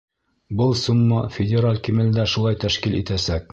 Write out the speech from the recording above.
Был сумма федераль кимәлдә шулай тәшкил итәсәк.